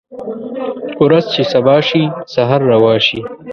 ورځ چې سبا شي سحر روا شي